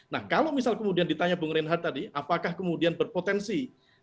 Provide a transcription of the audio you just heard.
nah kalau misal kemudian ditanya bung reinhard tadi apakah kemudian berpotensi